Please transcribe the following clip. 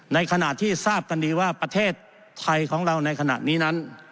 ในขณะที่ทราบกันดีว่าประเทศไทยของเราในขณะนี้นั้น